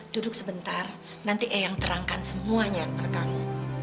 duduk sebentar nanti eyang terangkan semuanya kepada kamu